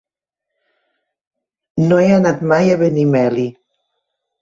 No he anat mai a Benimeli.